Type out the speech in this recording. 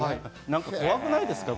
なんか怖くないですか？